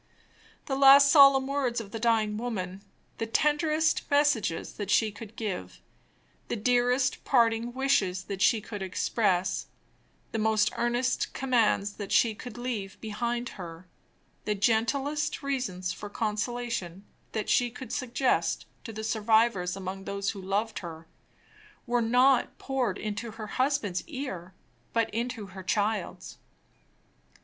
The last solemn words of the dying woman, the tenderest messages that she could give, the dearest parting wishes that she could express, the most earnest commands that she could leave behind her, the gentlest reasons for consolation that she could suggest to the survivors among those who loved her, were not poured into her husband's ear, but into her child's.